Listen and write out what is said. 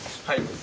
はい。